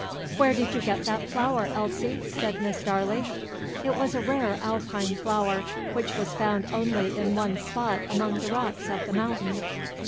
"Where did you get that flower, Elsie?" said Miss Darley. It was a rare alpine flower, which was found only in one spot among the rocks of The Mountain.